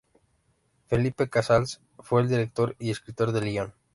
Felipe Cazals fue el director y escritor del guion.